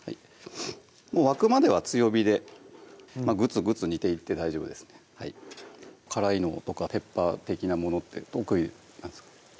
もう沸くまでは強火でグツグツ煮ていって大丈夫です辛いのとかペッパー的なものって得意なんですか？